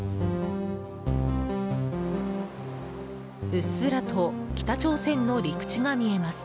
うっすらと北朝鮮の陸地が見えます。